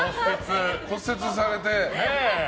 骨折されて。